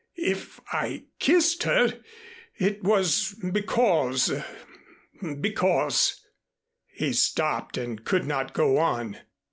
If I kissed her it was because because " He stopped and could not go on.